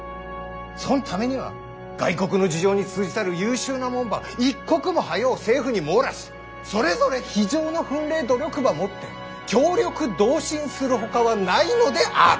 そんためには外国の事情に通じたる優秀なもんば一刻も早う政府に網羅しそれぞれ非常の奮励努力ばもって協力同心するほかはないのである。